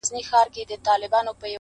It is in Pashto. ما چي ټانګونه په سوکونو وهل!!